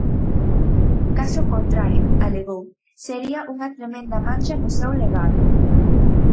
Caso contrario, alegou, sería unha "tremenda mancha" no seu legado.